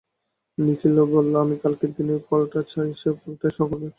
নিখিল বললে, আমি কালকের দিনের ফলটা চাই, সেই ফলটাই সকলের।